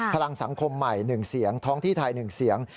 พลังสังคมใหม่๑เสียงท้องที่ไทย๑เสียง